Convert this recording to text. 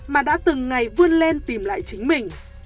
mà đã từng ngày vươn lên tìm lại chính mình